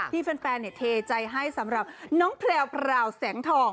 ที่แฟนเทใจให้สำหรับน้องแพลวพราวแสงทอง